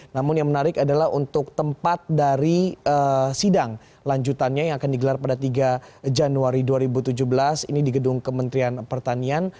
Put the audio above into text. namun yang menarik adalah untuk tempat dari sidang lanjutannya yang akan digelar pada tiga januari dua ribu tujuh belas ini di gedung kementerian pertanian